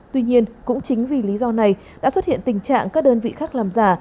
tuy nhiên cũng chính vì lý do này đã xuất hiện tình trạng các đơn vị khác làm giả